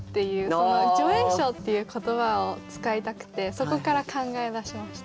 その「助演賞」っていう言葉を使いたくてそこから考えだしました。